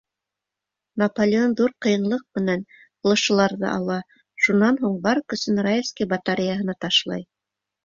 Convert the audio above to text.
Наполеон ҙур ҡыйынлыҡ менән флешыларҙы ала, шунан һуң бар көсөн Раевский батареяһына ташлай.